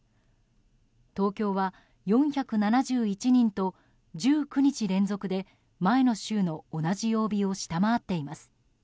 東京は４７１人と１９日連続で前の週の同じ曜日を下回っています。